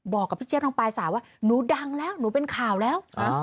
บอกกับพี่เจี๊ทางปลายสาวว่าหนูดังแล้วหนูเป็นข่าวแล้ว